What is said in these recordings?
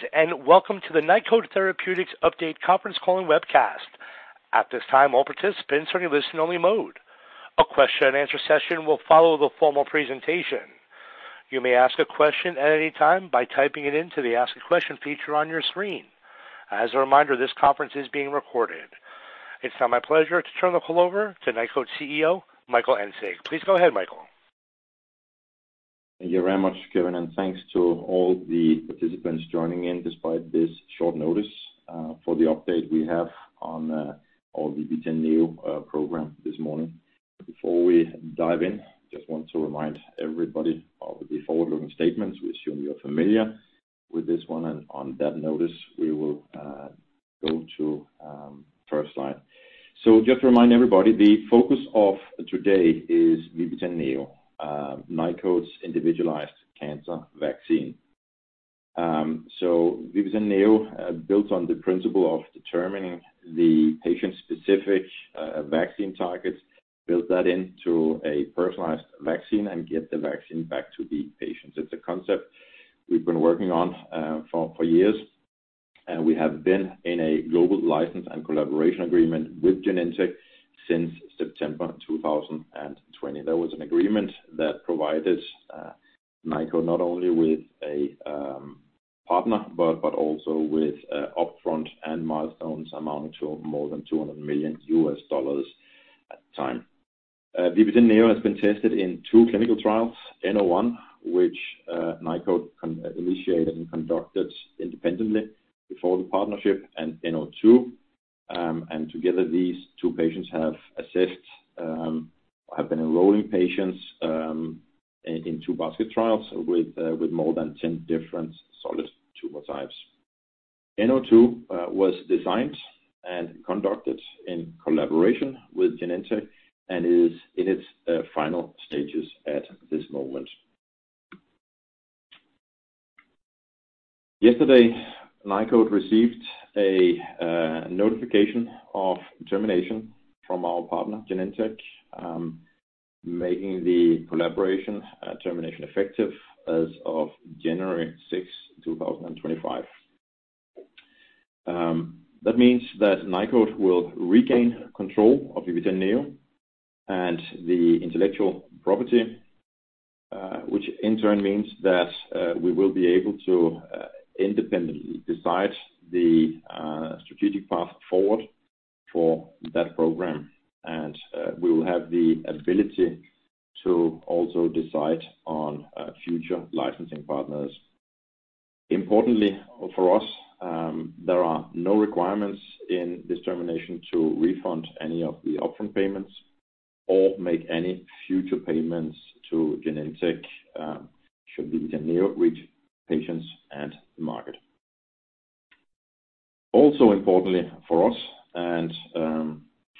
Greetings and welcome to the Nykode Therapeutics Update Conference Calling Webcast. At this time, all participants are in listen-only mode. A question-and-answer session will follow the formal presentation. You may ask a question at any time by typing it into the Ask a Question feature on your screen. As a reminder, this conference is being recorded. It's now my pleasure to turn the call over to Nykode CEO, Michael Engsig. Please go ahead, Michael. Thank you very much, Kevin, and thanks to all the participants joining in despite this short notice for the update we have on our VB10.NEO program this morning. Before we dive in, I just want to remind everybody of the forward-looking statements. We assume you're familiar with this one, and on that notice, we will go to the first slide. So just to remind everybody, the focus of today is VB10.NEO, Nykode's individualized cancer vaccine. So VB10.NEO builds on the principle of determining the patient-specific vaccine targets, builds that into a personalized vaccine, and gets the vaccine back to the patients. It's a concept we've been working on for years, and we have been in a global license and collaboration agreement with Genentech since September 2020. There was an agreement that provided Nykode not only with a partner but also with upfront and milestones amounting to more than $200 million at the time. VB10.NEO has been tested in two clinical trials: N-01, which Nykode initiated and conducted independently before the partnership, and N-02. Together, these two trials have assessed or have been enrolling patients in two basket trials with more than 10 different solid tumor types. N-02 was designed and conducted in collaboration with Genentech and is in its final stages at this moment. Yesterday, Nykode received a notification of termination from our partner, Genentech, making the collaboration termination effective as of January 6, 2025. That means that Nykode will regain control of VB10.NEO and the intellectual property, which in turn means that we will be able to independently decide the strategic path forward for that program, and we will have the ability to also decide on future licensing partners. Importantly for us, there are no requirements in this termination to refund any of the upfront payments or make any future payments to Genentech should VB10.NEO reach patients and the market. Also importantly for us and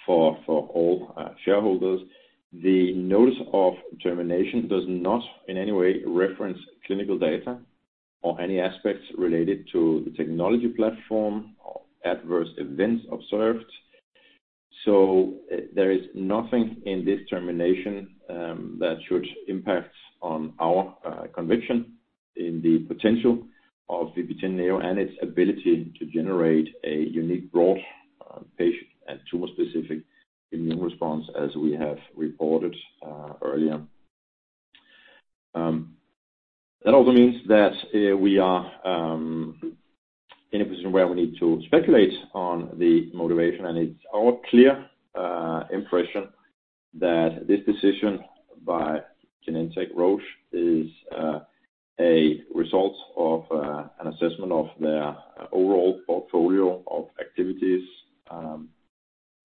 for all shareholders, the notice of termination does not in any way reference clinical data or any aspects related to the technology platform or adverse events observed. So there is nothing in this termination that should impact on our conviction in the potential of VB10.NEO and its ability to generate a unique broad patient and tumor-specific immune response, as we have reported earlier. That also means that we are in a position where we need to speculate on the motivation, and it's our clear impression that this decision by Genentech, Roche is a result of an assessment of their overall portfolio of activities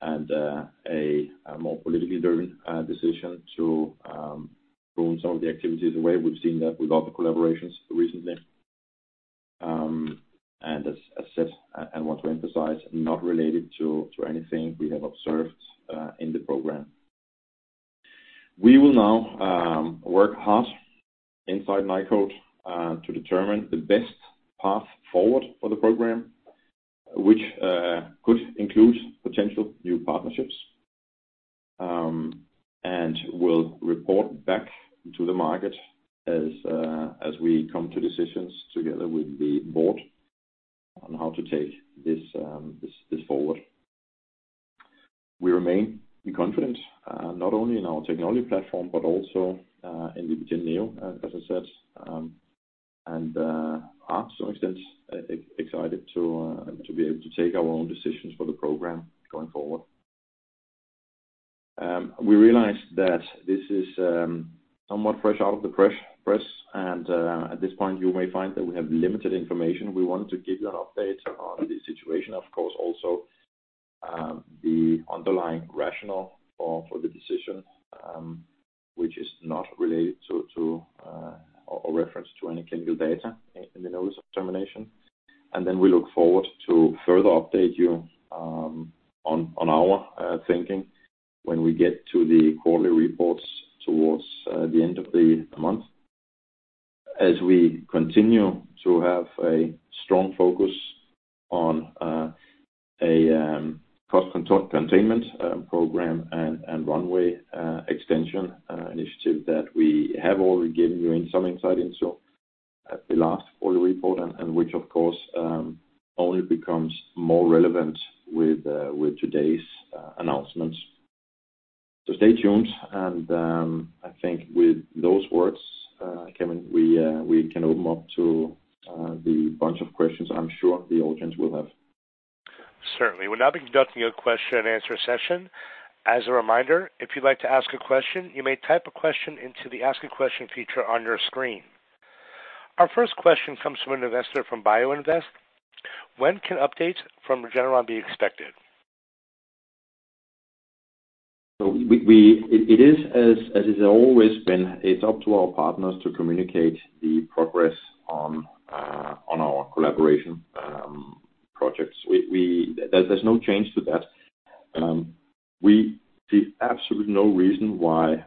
and a more politically driven decision to prune some of the activities away. We've seen that with other collaborations recently. And as I said and want to emphasize, not related to anything we have observed in the program. We will now work hard inside Nykode to determine the best path forward for the program, which could include potential new partnerships, and we'll report back to the market as we come to decisions together with the board on how to take this forward. We remain confident not only in our technology platform but also in VB10.NEO, as I said, and are to some extent excited to be able to take our own decisions for the program going forward. We realize that this is somewhat fresh out of the press, and at this point, you may find that we have limited information. We want to give you an update on the situation, of course, also the underlying rationale for the decision, which is not related to or reference to any clinical data in the notice of termination. And then we look forward to further update you on our thinking when we get to the quarterly reports towards the end of the month, as we continue to have a strong focus on a cost containment program and runway extension initiative that we have already given you some insight into at the last quarterly report, and which, of course, only becomes more relevant with today's announcements. So stay tuned, and I think with those words, Kevin, we can open up to the bunch of questions I'm sure the audience will have. Certainly. We're now beginning the question-and-answer session. As a reminder, if you'd like to ask a question, you may type a question into the Ask a Question feature on your screen. Our first question comes from an investor from BioInvest. When can updates from Regeneron be expected? So it is as it always been. It's up to our partners to communicate the progress on our collaboration projects. There's no change to that. We see absolutely no reason why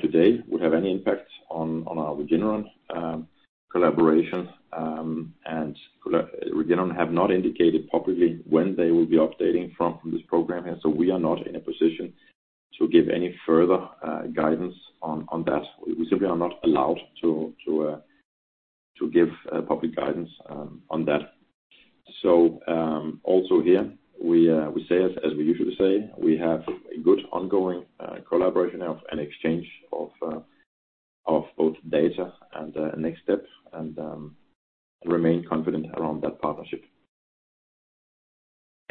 today would have any impact on our Regeneron collaboration, and Regeneron have not indicated publicly when they will be updating from this program here. So we are not in a position to give any further guidance on that. We simply are not allowed to give public guidance on that. So also here, we say, as we usually say, we have a good ongoing collaboration and exchange of both data and next steps, and remain confident around that partnership.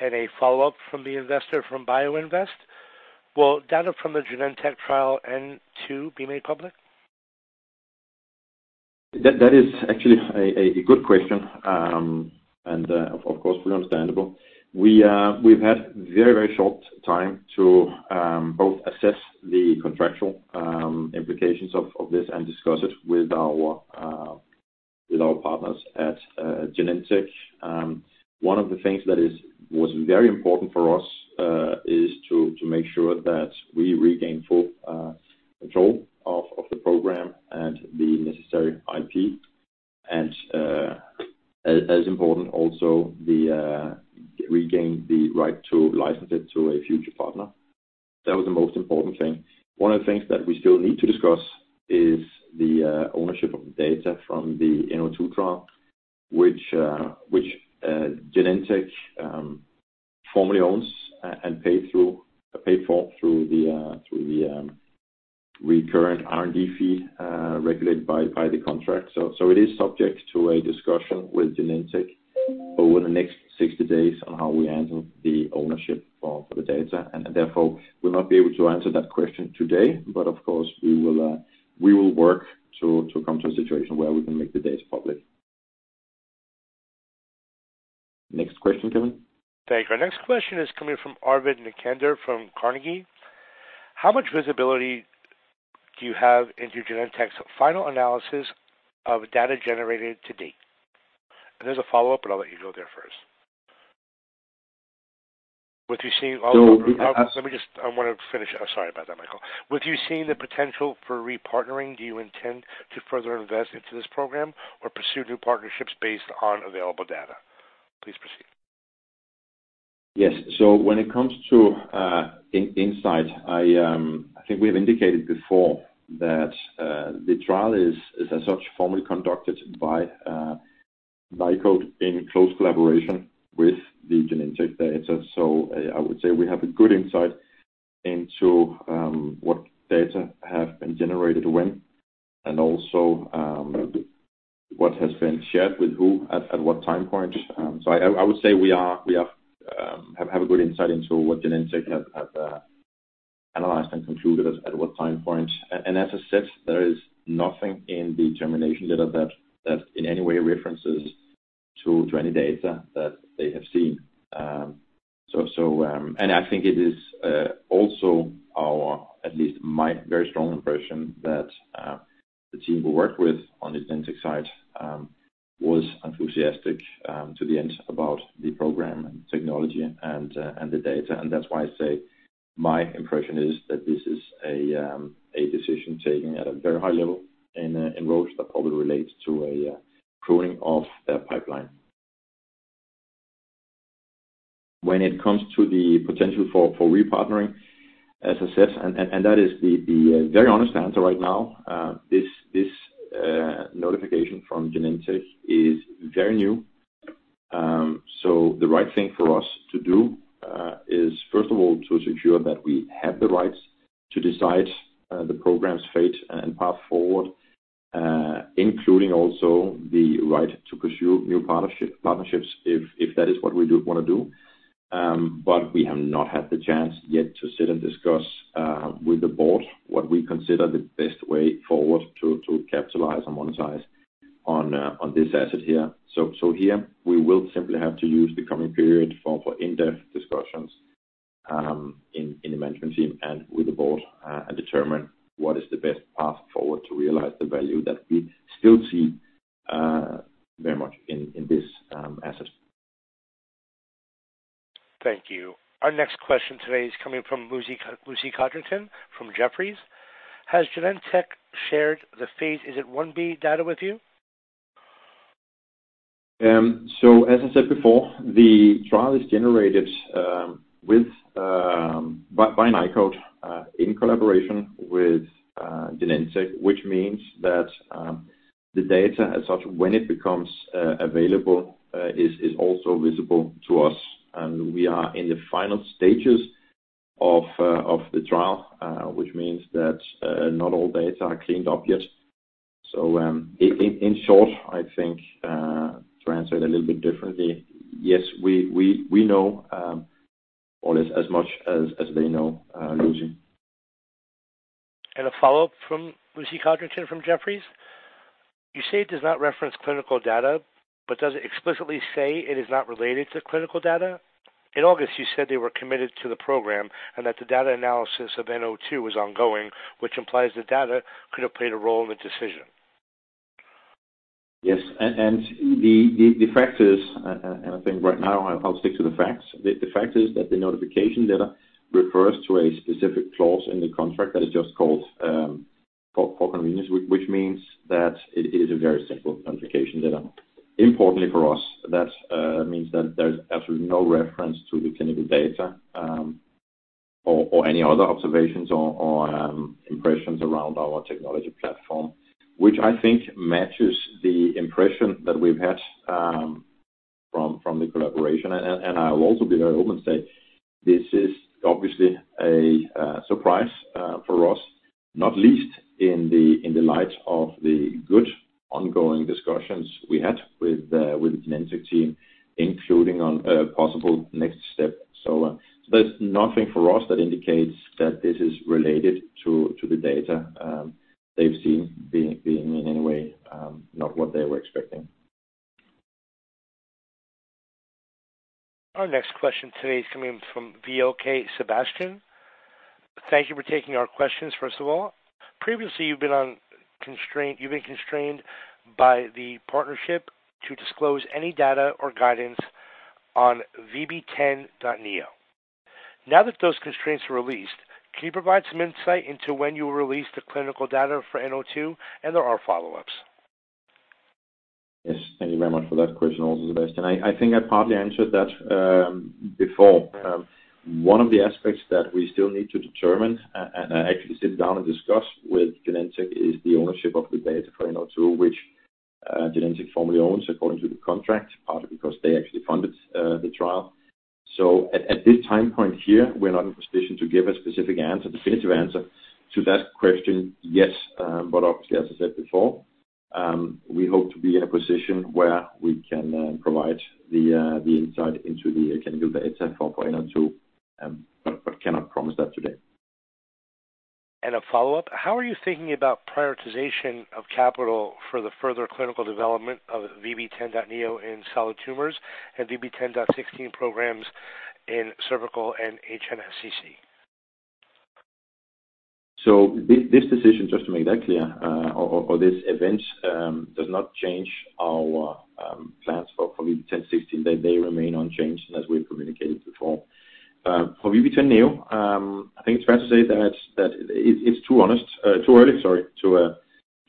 A follow-up from the investor from BioInvest. Will data from the Genentech trial N2 be made public? That is actually a good question, and of course, fully understandable. We've had very, very short time to both assess the contractual implications of this and discuss it with our partners at Genentech. One of the things that was very important for us is to make sure that we regain full control of the program and the necessary IP, and as important, also regain the right to license it to a future partner. That was the most important thing. One of the things that we still need to discuss is the ownership of data from the N-02 trial, which Genentech formally owns and paid for through the recurrent R&D fee regulated by the contract. So it is subject to a discussion with Genentech over the next 60 days on how we handle the ownership of the data. And therefore, we'll not be able to answer that question today, but of course, we will work to come to a situation where we can make the data public. Next question, Kevin? Thank you. Our next question is coming from Arvid Necander from Carnegie. How much visibility do you have into Genentech's final analysis of data generated to date? And there's a follow-up, but I'll let you go there first. With you seeing all the. So Let me just. I want to finish. I'm sorry about that, Michael. With you seeing the potential for repartnering, do you intend to further invest into this program or pursue new partnerships based on available data? Please proceed. Yes. So when it comes to insight, I think we have indicated before that the trial is, as such, formally conducted by Nykode in close collaboration with Genentech. So I would say we have a good insight into what data have been generated when and also what has been shared with who at what time point. So I would say we have a good insight into what Genentech have analyzed and concluded at what time point. And as I said, there is nothing in the termination letter that in any way references to any data that they have seen. And I think it is also our, at least my very strong impression, that the team we worked with on the Genentech side was enthusiastic to the end about the program and technology and the data. And that's why I say my impression is that this is a decision taken at a very high level in Roche that probably relates to a pruning of their pipeline. When it comes to the potential for repartnering, as I said, and that is the very honest answer right now, this notification from Genentech is very new. So the right thing for us to do is, first of all, to secure that we have the rights to decide the program's fate and path forward, including also the right to pursue new partnerships if that is what we want to do. But we have not had the chance yet to sit and discuss with the board what we consider the best way forward to capitalize and monetize on this asset here. So here, we will simply have to use the coming period for in-depth discussions in the management team and with the board and determine what is the best path forward to realize the value that we still see very much in this asset. Thank you. Our next question today is coming from Lucy Codrington from Jefferies. Has Genentech shared the phase, is it 1b data with you? So as I said before, the trial is generated by Nykode in collaboration with Genentech, which means that the data, as such, when it becomes available, is also visible to us. And we are in the final stages of the trial, which means that not all data are cleaned up yet. So in short, I think, to answer it a little bit differently, yes, we know or as much as they know, Lucy. A follow-up from Lucy Codrington from Jefferies. You say it does not reference clinical data, but does it explicitly say it is not related to clinical data? In August, you said they were committed to the program and that the data analysis of N-02 was ongoing, which implies the data could have played a role in the decision. Yes, and the fact is, and I think right now I'll stick to the facts, the fact is that the notification data refers to a specific clause in the contract that is just called for convenience, which means that it is a very simple notification data. Importantly for us, that means that there's absolutely no reference to the clinical data or any other observations or impressions around our technology platform, which I think matches the impression that we've had from the collaboration, and I'll also be very open to say this is obviously a surprise for us, not least in the light of the good ongoing discussions we had with the Genentech team, including on possible next steps, so there's nothing for us that indicates that this is related to the data they've seen being in any way not what they were expecting. Our next question today is coming from VOK Sebastian. Thank you for taking our questions, first of all. Previously, you've been constrained by the partnership to disclose any data or guidance on VB10.NEO. Now that those constraints are released, can you provide some insight into when you will release the clinical data for N-02, and there are follow-ups? Yes. Thank you very much for that question, also Sebastian. I think I partly answered that before. One of the aspects that we still need to determine and actually sit down and discuss with Genentech is the ownership of the data for N-02, which Genentech formally owns according to the contract, partly because they actually funded the trial. So at this time point here, we're not in a position to give a specific answer, definitive answer to that question yet. But obviously, as I said before, we hope to be in a position where we can provide the insight into the clinical data for N-02, but cannot promise that today. A follow-up. How are you thinking about prioritization of capital for the further clinical development of VB10.NEO in solid tumors and VB10.16 programs in cervical and HNSCC? This decision, just to make that clear, or this event does not change our plans for VB10.16. They remain unchanged, and as we've communicated before. For VB10.NEO, I think it's fair to say that it's too early, sorry, too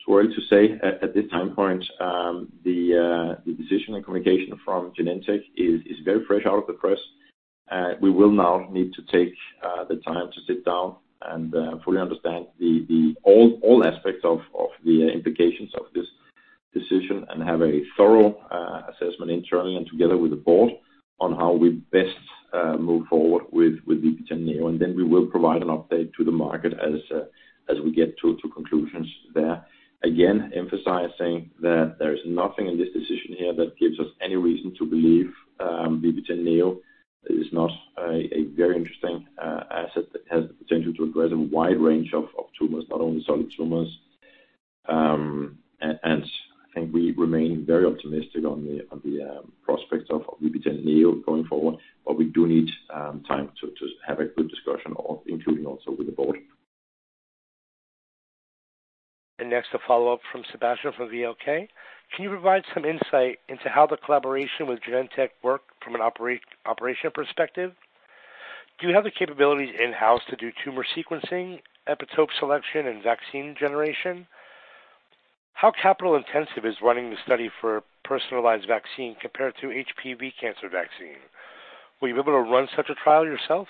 early to say at this time point. The decision and communication from Genentech is very fresh out of the press. We will now need to take the time to sit down and fully understand all aspects of the implications of this decision and have a thorough assessment internally and together with the board on how we best move forward with VB10.NEO. Then we will provide an update to the market as we get to conclusions there. Again, emphasizing that there is nothing in this decision here that gives us any reason to believe VB10.NEO is not a very interesting asset that has the potential to address a wide range of tumors, not only solid tumors, and I think we remain very optimistic on the prospects of VB10.NEO going forward, but we do need time to have a good discussion, including also with the board. And next, a follow-up from Sebastian from VOK. Can you provide some insight into how the collaboration with Genentech worked from an operational perspective? Do you have the capabilities in-house to do tumor sequencing, epitope selection, and vaccine generation? How capital-intensive is running the study for personalized vaccine compared to HPV cancer vaccine? Were you able to run such a trial yourself?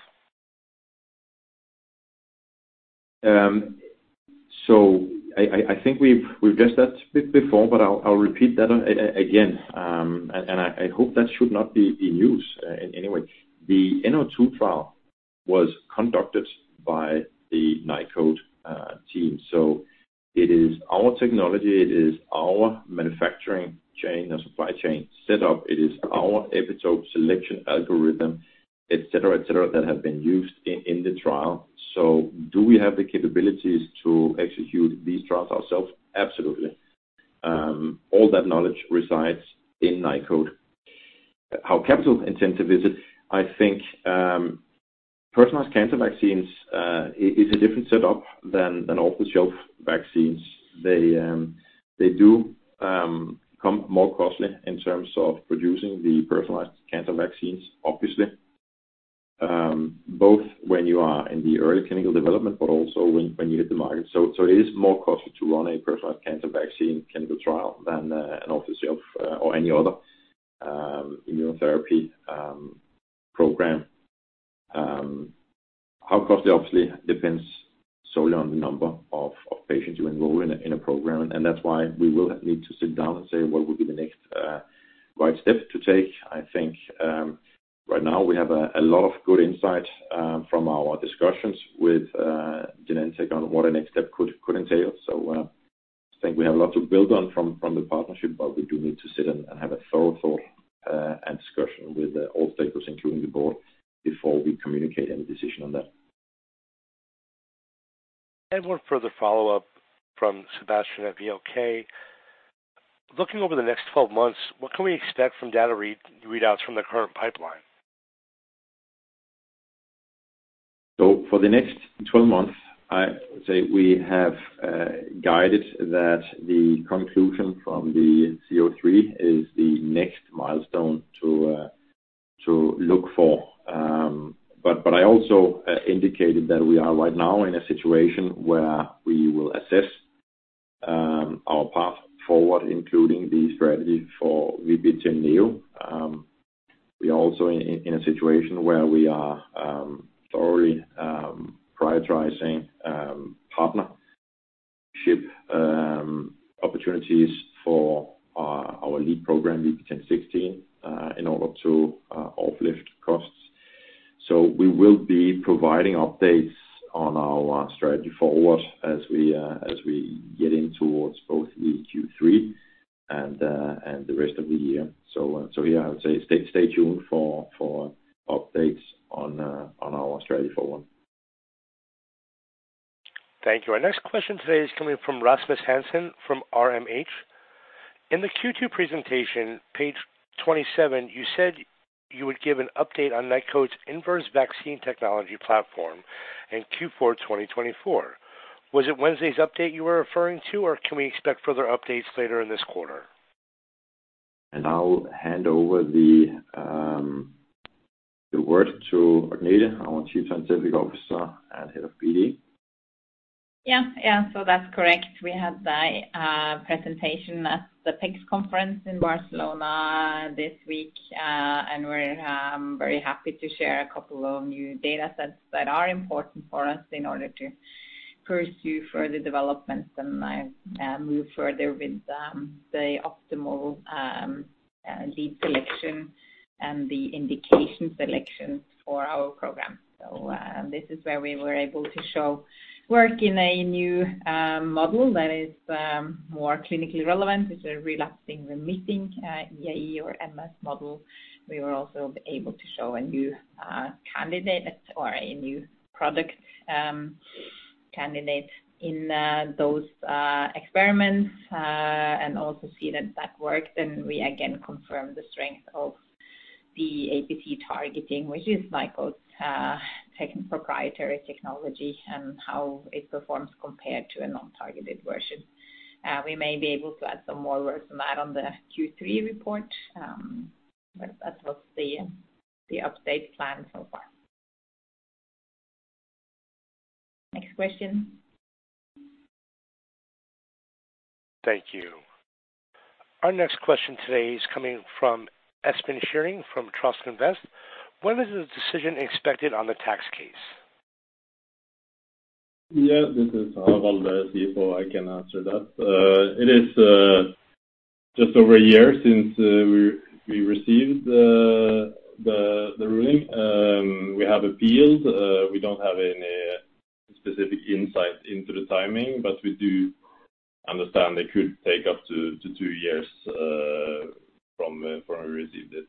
So I think we've addressed that before, but I'll repeat that again. And I hope that should not be news in any way. The N-02 trial was conducted by the Nykode team. So it is our technology. It is our manufacturing chain or supply chain setup. It is our epitope selection algorithm, etc., etc., that have been used in the trial. So do we have the capabilities to execute these trials ourselves? Absolutely. All that knowledge resides in Nykode. How capital-intensive is it? I think personalized cancer vaccines is a different setup than off-the-shelf vaccines. They do come more costly in terms of producing the personalized cancer vaccines, obviously, both when you are in the early clinical development, but also when you hit the market. So it is more costly to run a personalized cancer vaccine clinical trial than an off-the-shelf or any other immunotherapy program. How costly, obviously, depends solely on the number of patients you enroll in a program. And that's why we will need to sit down and say, "What will be the next right step to take?" I think right now we have a lot of good insight from our discussions with Genentech on what a next step could entail. So I think we have a lot to build on from the partnership, but we do need to sit and have a thorough thought and discussion with all stakeholders, including the board, before we communicate any decision on that. And one further follow-up from Sebastian at VOK. Looking over the next 12 months, what can we expect from data readouts from the current pipeline? So for the next 12 months, I would say we have guided that the conclusion from the C-03 is the next milestone to look for. But I also indicated that we are right now in a situation where we will assess our path forward, including the strategy for VB10.NEO. We are also in a situation where we are thoroughly prioritizing partnership opportunities for our lead program, VB10.16, in order to offload costs. So we will be providing updates on our strategy forward as we get in towards both the Q3 and the rest of the year. So here, I would say stay tuned for updates on our strategy forward. Thank you. Our next question today is coming from Rasmus Hansen from RMH. In the Q2 presentation, page 27, you said you would give an update on Nykode's inverse vaccine technology platform in Q4 2024. Was it Wednesday's update you were referring to, or can we expect further updates later in this quarter? I'll hand over the word to Agnete Fredriksen, Chief Scientific Officer and Head of PD. Yeah. Yeah. So that's correct. We had the presentation at the PIX conference in Barcelona this week, and we're very happy to share a couple of new datasets that are important for us in order to pursue further developments and move further with the optimal lead selection and the indication selections for our program. So this is where we were able to show work in a new model that is more clinically relevant, which is a relapsing-remitting EAE or MS model. We were also able to show a new candidate or a new product candidate in those experiments and also see that that worked. And we again confirmed the strength of the APC targeting, which is Nykode's proprietary technology and how it performs compared to a non-targeted version. We may be able to add some more words on that on the Q3 report, but that was the update plan so far. Next question. Thank you. Our next question today is coming from Espen Schuring from Trust Invest. When is the decision expected on the tax case? Yeah. This is Harald, the CFO. I can answer that. It is just over a year since we received the ruling. We have appealed. We don't have any specific insight into the timing, but we do understand it could take up to two years from when we received it.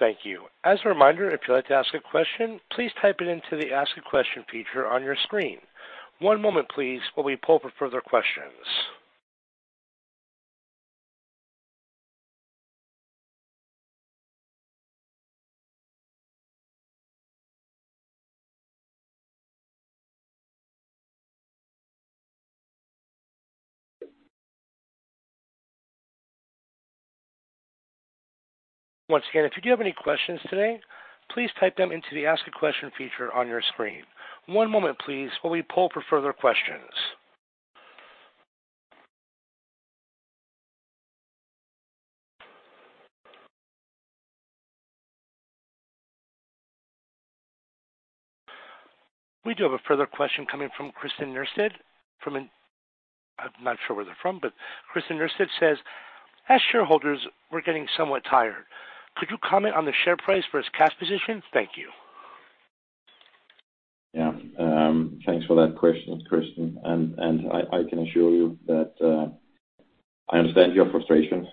Thank you. As a reminder, if you'd like to ask a question, please type it into the Ask a Question feature on your screen. One moment, please, while we pull up further questions. Once again, if you do have any questions today, please type them into the Ask a Question feature on your screen. One moment, please, while we pull up further questions. We do have a further question coming from Kristen Nurstedt from an, I'm not sure where they're from, but Kristen Nurstedt says, "As shareholders, we're getting somewhat tired. Could you comment on the share price versus cash position? Thank you. Yeah. Thanks for that question, Kristen. And I can assure you that I understand your frustration.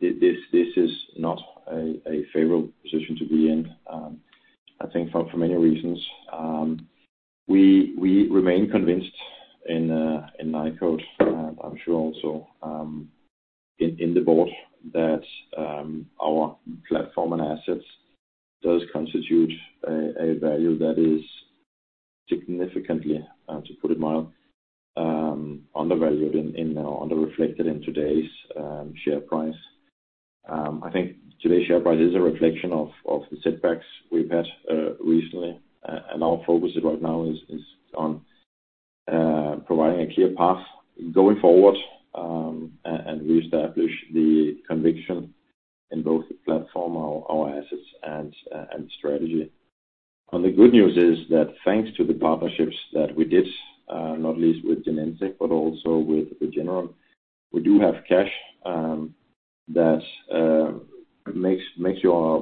This is not a favorable position to be in, I think, for many reasons. We remain convinced in Nykode, and I'm sure also in the board, that our platform and assets do constitute a value that is significantly, to put it mildly, undervalued or under-reflected in today's share price. I think today's share price is a reflection of the setbacks we've had recently. Our focus right now is on providing a clear path going forward and reestablish the conviction in both the platform, our assets, and strategy. The good news is that thanks to the partnerships that we did, not least with Genentech, but also with Regeneron, we do have cash that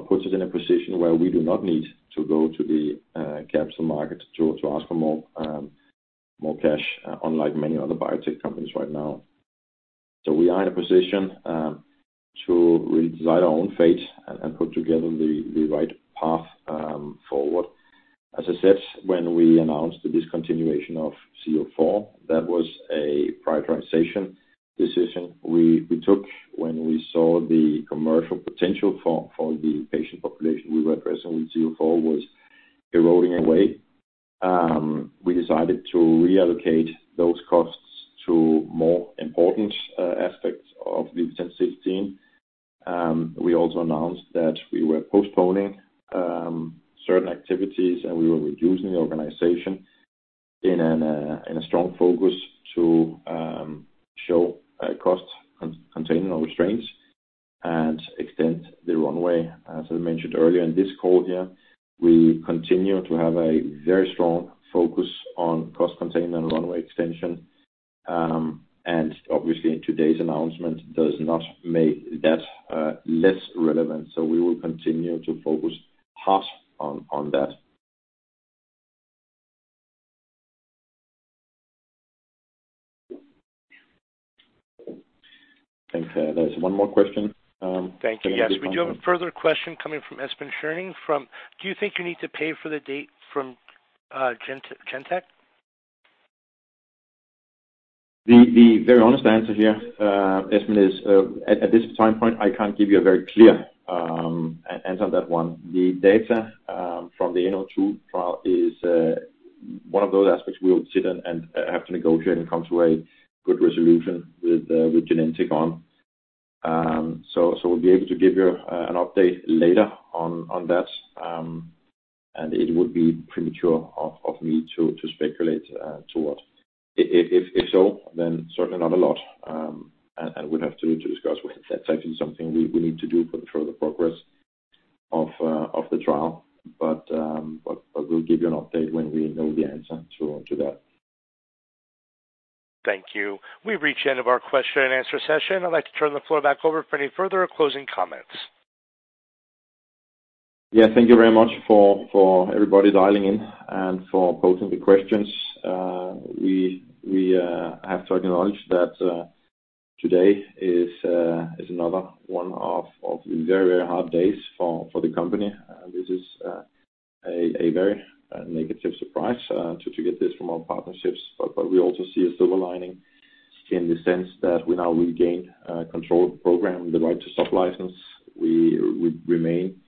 puts us in a position where we do not need to go to the capital market to ask for more cash, unlike many other biotech companies right now. We are in a position to really decide our own fate and put together the right path forward. As I said, when we announced the discontinuation of C-04, that was a prioritization decision we took. When we saw the commercial potential for the patient population we were addressing with C-04 was eroding away, we decided to reallocate those costs to more important aspects of VB10.16. We also announced that we were postponing certain activities, and we were reducing the organization in a strong focus to show cost-containment or restraints and extend the runway. As I mentioned earlier in this call here, we continue to have a very strong focus on cost-containment and runway extension, and obviously, today's announcement does not make that less relevant, so we will continue to focus hard on that. I think there's one more question. Thank you. Yes. We do have a further question coming from Espen Schuring from, "Do you think you need to pay for the data from Genentech? The very honest answer here, Espen, is at this time point, I can't give you a very clear answer on that one. The data from the N-02 trial is one of those aspects we will sit and have to negotiate and come to a good resolution with Genentech on. So we'll be able to give you an update later on that, and it would be premature of me to speculate too much. If so, then certainly not a lot. And we'll have to discuss with that. That's actually something we need to do for the further progress of the trial. But we'll give you an update when we know the answer to that. Thank you. We've reached the end of our question and answer session. I'd like to turn the floor back over for any further or closing comments. Yeah. Thank you very much for everybody dialing in and for posting the questions. We have to acknowledge that today is another one of the very, very hard days for the company. This is a very negative surprise to get this from our partnerships. But we also see a silver lining in the sense that we now regained control of the program, the right to sub-license. We remain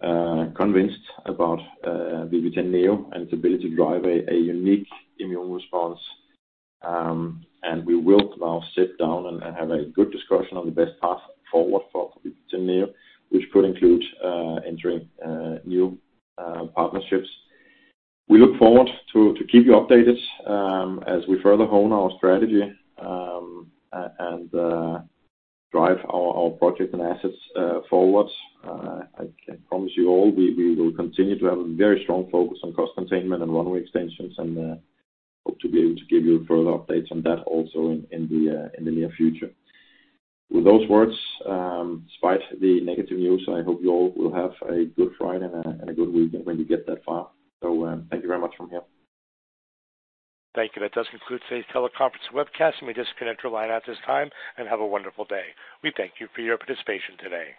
convinced about VB10.NEO and its ability to drive a unique immune response. And we will now sit down and have a good discussion on the best path forward for VB10.NEO, which could include entering new partnerships. We look forward to keep you updated as we further hone our strategy and drive our project and assets forward. I promise you all, we will continue to have a very strong focus on cost containment and runway extensions and hope to be able to give you further updates on that also in the near future. With those words, despite the negative news, I hope you all will have a good Friday and a good weekend when you get that far. So thank you very much from here. Thank you. That does conclude today's teleconference webcast, and we disconnect your line at this time. And have a wonderful day. We thank you for your participation today.